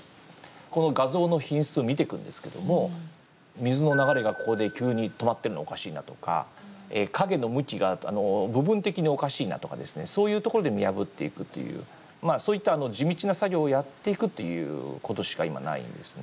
この画像の品質を見ていくんですけども水の流れがここで急に止まってるのおかしいなとか影の向きが部分的におかしいなとかですねそういうところで見破っていくというそういった地道な作業をやっていくということしか今ないんですね。